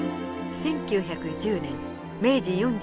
１９１０年明治４３年。